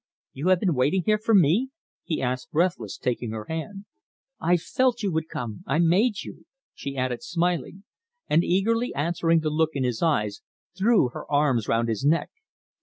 "You have been waiting here for me?" he asked breathless, taking her hand. "I felt you would come. I made you," she added smiling, and, eagerly answering the look in his eyes, threw her arms round his neck.